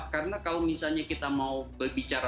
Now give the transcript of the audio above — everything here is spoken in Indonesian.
karena kalau misalnya kita mau berbicara